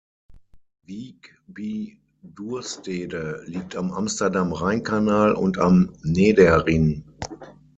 Wijk bij Duurstede liegt am Amsterdam-Rhein-Kanal und am Nederrijn.